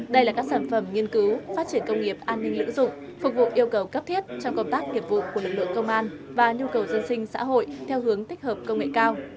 đây là các sản phẩm nghiên cứu phát triển công nghiệp an ninh lưỡng dụng phục vụ yêu cầu cấp thiết trong công tác nghiệp vụ của lực lượng công an và nhu cầu dân sinh xã hội theo hướng tích hợp công nghệ cao